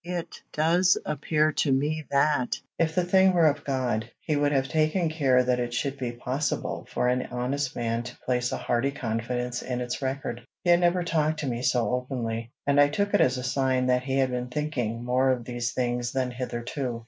It does appear to me, that, if the thing were of God, he would have taken care that it should be possible for an honest man to place a hearty confidence in its record." He had never talked to me so openly, and I took it as a sign that he had been thinking more of these things than hitherto.